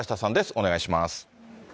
お願いします。